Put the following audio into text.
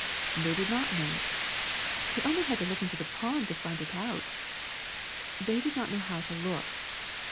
They did not know it. ''They had only to look into a pond to find it out. '' *^They did not know how to look.